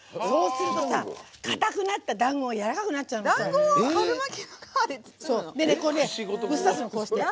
そうするとさ、かたくなっただんごがやわらかくなっちゃうの。